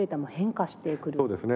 そうですね。